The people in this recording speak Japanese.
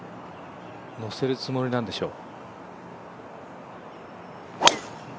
のせるつもりなんでしょう。